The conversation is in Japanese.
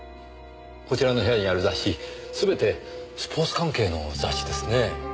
こちらの部屋にある雑誌全てスポーツ関係の雑誌ですね。